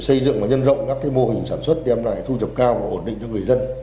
xây dựng và nhân rộng các mô hình sản xuất đem lại thu nhập cao và ổn định cho người dân